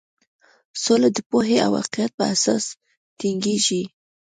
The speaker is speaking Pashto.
سوله د پوهې او حقیقت په اساس ټینګیږي.